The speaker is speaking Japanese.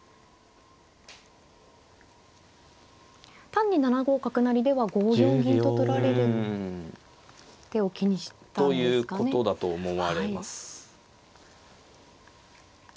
単に７五角成では５四銀と取られる手を気にしたんですかね。ということだと思われます。